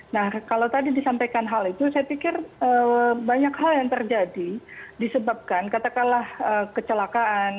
nah kalau tadi disampaikan hal itu saya pikir banyak hal yang terjadi disebabkan katakanlah kecelakaan